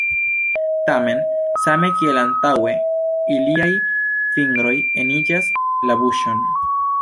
Tamen, same kiel antaŭe, iliaj fingroj eniĝas la buŝon.